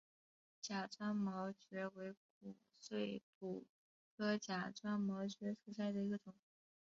假钻毛蕨为骨碎补科假钻毛蕨属下的一个种。